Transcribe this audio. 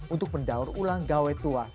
untuk mendaur ulang gawe tua